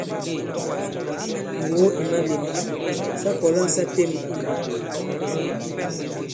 Ŋgògo ì malēm: sa kɔ̀la sa têm i mbɔ̄k.